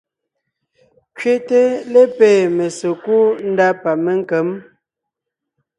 Kẅéte lépée mésekúd ndá pa ménkěm.